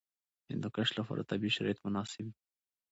د هندوکش لپاره طبیعي شرایط مناسب دي.